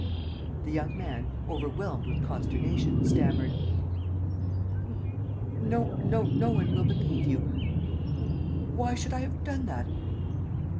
The young man, overwhelmed with consternation, stammered: "No one will believe you. ... Why should I have done that?